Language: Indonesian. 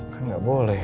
kan gak boleh